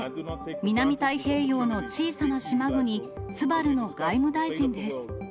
南太平洋の小さな島国、ツバルの外務大臣です。